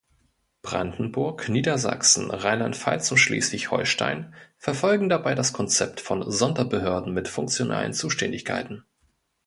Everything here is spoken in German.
Brandenburg, Niedersachsen, Rheinland-Pfalz und Schleswig-Holstein verfolgen dabei das Konzept von Sonderbehörden mit funktionalen Zuständigkeiten.